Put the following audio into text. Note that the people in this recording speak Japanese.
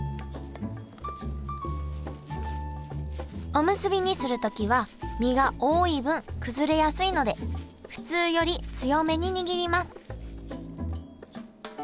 おむすびにする時は身が多い分崩れやすいので普通より強めに握ります